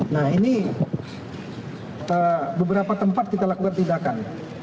nah ini beberapa tempat kita lakukan tindakan